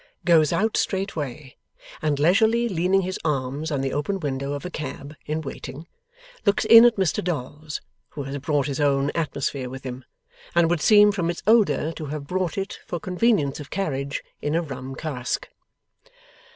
Goes out straightway, and, leisurely leaning his arms on the open window of a cab in waiting, looks in at Mr Dolls: who has brought his own atmosphere with him, and would seem from its odour to have brought it, for convenience of carriage, in a rum cask.